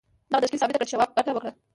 دغه تشکیل ثابته کړه چې شواب ګټه وکړه